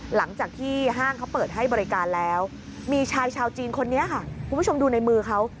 หลังจากที่ห้างเขาเปิดให้บริการแล้วมีชายชาวจีนคนนี้ค่ะคุณผู้ชมดูในมือเขา